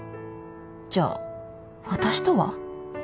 じゃあ私とは？